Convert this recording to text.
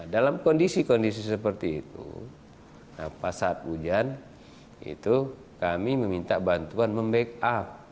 dalam kondisi kondisi seperti itu saat hujan itu kami meminta bantuan membackup